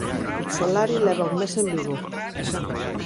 Solari leva un mes en Vigo.